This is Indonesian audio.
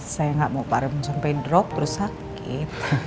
saya nggak mau pak rem sampai drop terus sakit